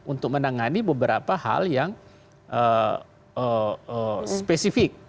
untuk menangani beberapa hal yang spesifik